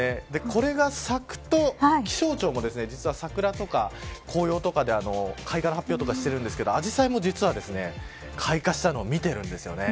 これが咲くと、気象庁も桜とか紅葉とかで開花の発表とかしているんですけどアジサイも実は開花したのを見ているんです。